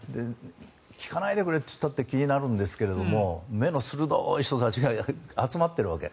聞かないでくれって言ったって気になるんですが目の鋭い人たちが集まっているわけ。